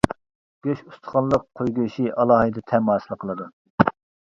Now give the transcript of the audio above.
گۆش، ئۇستىخانلىق قوي گۆشى ئالاھىدە تەم ھاسىل قىلىدۇ.